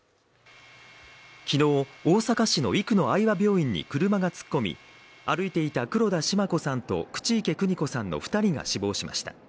昨日、大阪市の生野愛和病院に車が突っ込み、歩いていた黒田シマ子さんと口池邦子さんの２人が死亡しました。